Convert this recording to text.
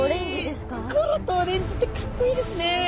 黒とオレンジってかっこいいですね！